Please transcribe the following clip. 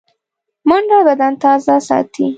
منډه بدن تازه ساتي